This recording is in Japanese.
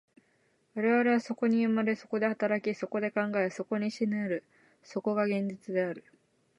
我々はそこに生まれ、そこで働き、そこで考え、そこに死ぬる、そこが現実である。